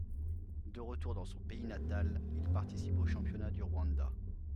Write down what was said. De retour dans son pays natal, il participe aux championnats du Rwanda.